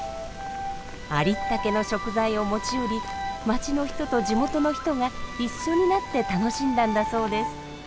ありったけの食材を持ち寄り町の人と地元の人が一緒になって楽しんだんだそうです。